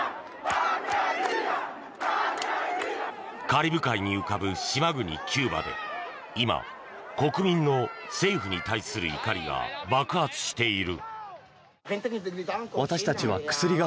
カリブ海に浮かぶ島国キューバで今、国民の政府に対する怒りが爆発している。